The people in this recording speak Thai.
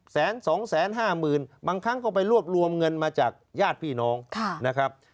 แสนสองแสนห้าหมื่นบางครั้งก็ไปรวบรวมเงินมาจากญาติพี่น้องนะครับ